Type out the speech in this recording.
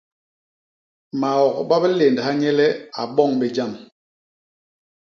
Maok ma biléndha nye le a boñ bé jam.